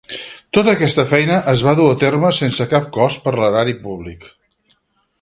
Tota aquesta feina es va dur a terme sense cap cost per l'erari públic.